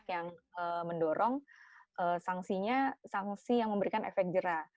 yang mendorong sanksinya sanksi yang memberikan efek jerah